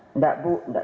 enggak bu enggak